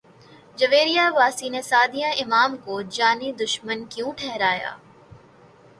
جویریہ عباسی نے سعدیہ امام کو جانی دشمن کیوں ٹھہرا دیا